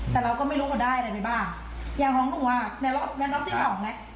แต่เราก็ไม่รู้ว่าได้อะไรไปบ้างอย่างของหนูอ่ะแม่รอบแม่รอบขึ้นออกแหละ